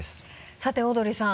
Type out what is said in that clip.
さてオードリーさん。